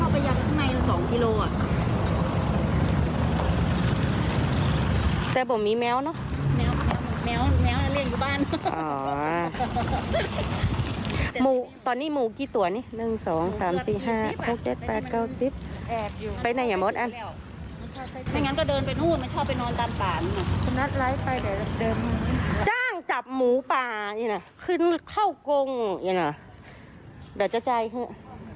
พ่อไปนอนตามป่านจ้างจับหมูป่าขึ้นเข้ากงเดี๋ยวจะจ่ายขึ้น